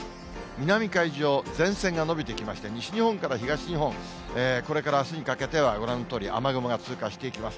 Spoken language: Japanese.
南海上、前線が延びてきまして、西日本から東日本、これからあすにかけては、ご覧のとおり、雨雲が通過していきます。